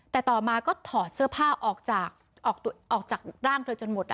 แต่ต่อมาก็ถอดเสื้อผ้าออกจากร่างเธอจนหมด